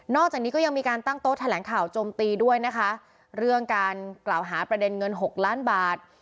จากนี้ก็ยังมีการตั้งโต๊ะแถลงข่าวโจมตีด้วยนะคะเรื่องการกล่าวหาประเด็นเงินหกล้านบาท